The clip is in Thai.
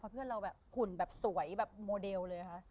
เพราะเพื่อนเราหุ่นแบบสวย่แบบโมเดลเลย